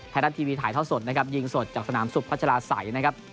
ไทยรัฐทีวีถ่ายท้าวสดยิงสดจากสนามสุพธิ์ภาชาลาศัย